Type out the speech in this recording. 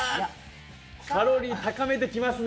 カロリー高めてきますね